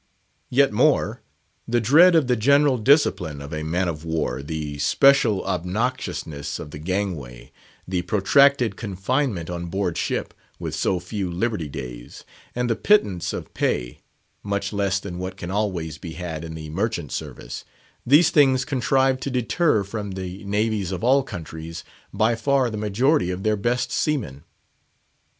Yet more. The dread of the general discipline of a man of war; the special obnoxiousness of the gangway; the protracted confinement on board ship, with so few "liberty days;" and the pittance of pay (much less than what can always be had in the Merchant Service), these things contrive to deter from the navies of all countries by far the majority of their best seamen.